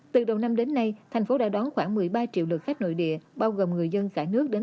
từ đầu năm đến nay thành phố đã đón khoảng một mươi ba triệu lượt khách nội địa bao gồm người dân cả nước đến